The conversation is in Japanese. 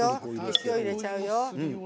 塩、入れちゃうよ。